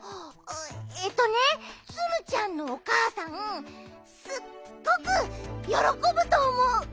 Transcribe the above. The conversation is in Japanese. えっとねツムちゃんのおかあさんすっごくよろこぶとおもう！